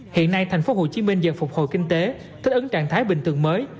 hiện nay thành phố hồ chí minh dần phục hồi kinh tế thích ứng trạng thái bình thường mới